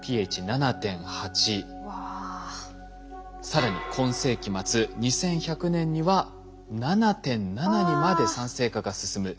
更に今世紀末２１００年には７．７にまで酸性化が進む。